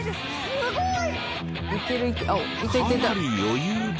すごい。